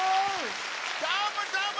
どーもどーも！